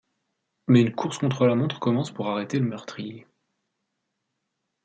Mais une course contre la montre commence pour arrêter le meurtrier...